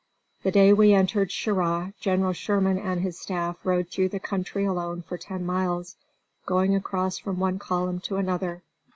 The day we entered Cheraw General Sherman and his staff rode through the country alone for ten miles, going across from one column to another.